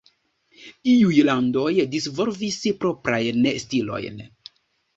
Iuj landoj disvolvis proprajn stilojn.